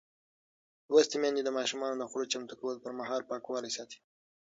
لوستې میندې د ماشومانو د خوړو چمتو کولو پر مهال پاکوالی ساتي.